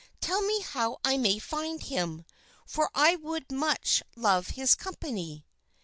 Tell me how I may find him, for I would much love his company."